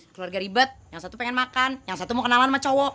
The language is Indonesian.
keluarga ribet yang satu pengen makan yang satu mau kenalan sama cowok